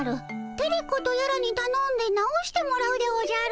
テレ子とやらにたのんで直してもらうでおじゃる。